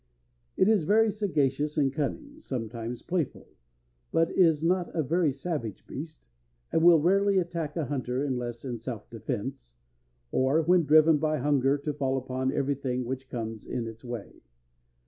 It is very sagacious and cunning, sometimes playful, but is not a very savage beast, and will rarely attack a hunter unless in self defense, or when driven by hunger to fall upon everything which comes in its way.